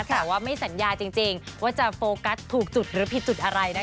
แต่ว่าไม่สัญญาจริงว่าจะโฟกัสถูกจุดหรือผิดจุดอะไรนะคะ